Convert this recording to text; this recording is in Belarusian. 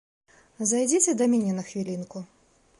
Зайдзіце да мяне на хвілінку.